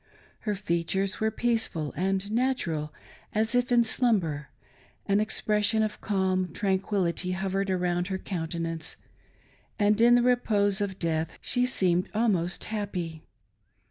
Her features were peaceful and natural as if in slumber ; an expression of calm tranquility hovered around her countenance, and in the repose of death she seemed almost happy.